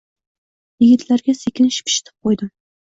Yigitlarga sekin shipshitib qo’ydim